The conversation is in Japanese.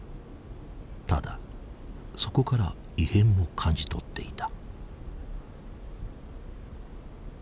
ただそこから異変も感じ取っていた。